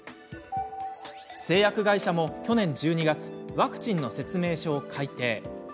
製薬会社も、去年１２月ワクチンの説明書を改訂。